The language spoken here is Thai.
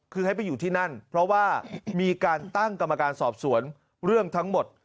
คือให้ไปอยู่ที่นั่นเพราะว่ามีการตั้งกรรมการสอบสวนเรื่องทั้งหมด